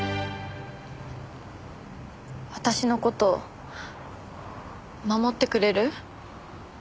私の事守ってくれる？